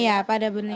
iya pada beli